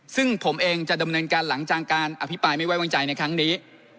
ซึ่งผมเองจะดำเนินการหลังจากการอภิปรายไม่ไว้วางใจในครั้งนี้